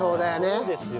そうですよ。